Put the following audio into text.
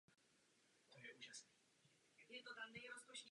Nebyly bojově nasazeny.